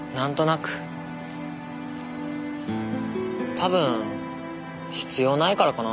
多分必要ないからかな。